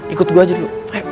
ikut gua aja dulu